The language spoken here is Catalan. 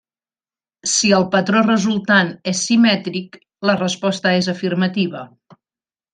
Si el patró resultant és simètric, la resposta és afirmativa.